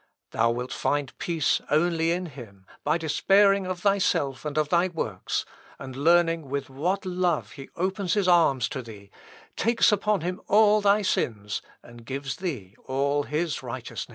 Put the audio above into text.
Thou wilt find peace only in him, by despairing of thyself and of thy works, and learning with what love he opens his arms to thee, takes upon him all thy sins, and gives thee all his righteousness."